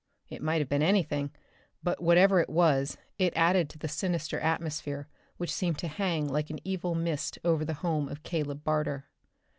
It might have been anything, but, whatever it was, it added to the sinister atmosphere which seemed to hang like an evil mist over the home of Caleb Barter.